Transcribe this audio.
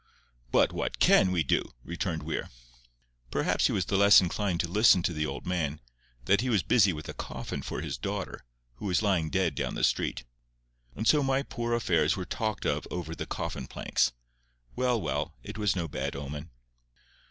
"But what CAN we do?" returned Weir. Perhaps he was the less inclined to listen to the old man, that he was busy with a coffin for his daughter, who was lying dead down the street. And so my poor affairs were talked of over the coffin planks. Well, well, it was no bad omen.